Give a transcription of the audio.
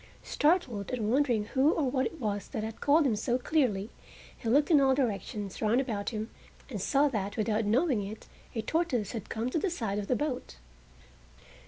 Startled, and wondering who or what it was that had called him so clearly, he looked in all directions round about him and saw that without his knowing it a tortoise had come to the side of the boat.